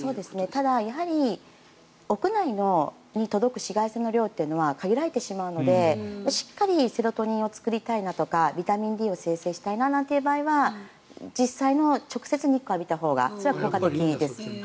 ただ、屋内に届く紫外線の量というのは限られてしまうので、しっかりセロトニンを作りたいなとかビタミンＤを生成したいなという場合は実際に直接日光を浴びたほうが効果的ですね。